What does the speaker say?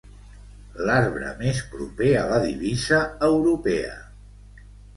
L'arbre més proper a la divisa europea.